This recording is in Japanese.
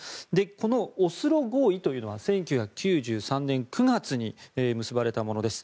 このオスロ合意というのは１９９３年９月に結ばれたものです。